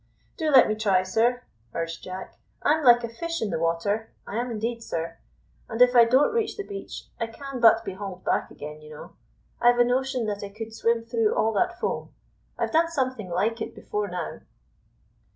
"Do let me try, sir," urged Jack. "I'm like a fish in the water, I am indeed, sir; and if I don't reach the beach I can but be hauled back again, you know. I've a notion that I could swim through all that foam. I've done something like it before now."